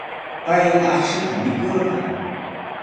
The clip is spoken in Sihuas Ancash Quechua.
Pay akshuta mikurqan.